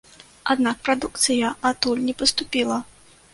Аднак прадукцыя адтуль не паступіла.